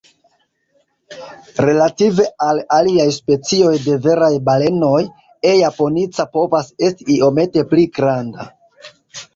Relative al aliaj specioj de veraj balenoj, "E. japonica" povas esti iomete pli granda.